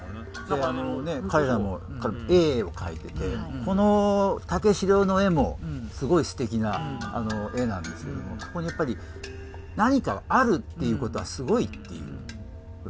だからあのね彼らも絵を描いててこの武四郎の絵もすごいすてきな絵なんですけどもそこにやっぱり何かがあるっていうことはすごいっていう見方みたいなの。